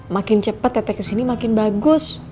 makin cepet tete kesini makin bagus